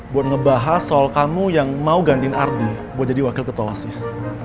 buat ngebahas soal kamu yang mau gandin ardi buat jadi wakil ketua asis